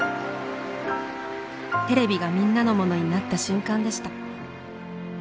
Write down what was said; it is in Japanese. テレビがみんなのものになった瞬間でした